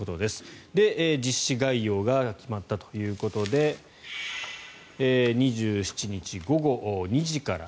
実施概要が決まったということで２７日午後２時から。